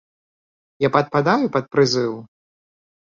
Я падпадаю пад прызыў?